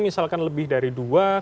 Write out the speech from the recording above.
misalkan lebih dari dua